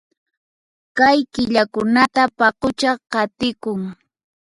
Kay killakunata paqucha qatikun